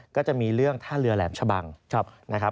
ก็จะมีเรื่องท่าเรือแหลมชะบังนะครับ